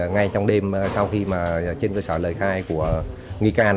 ngay trong đêm sau khi mà trên cơ sở lời khai của nghi can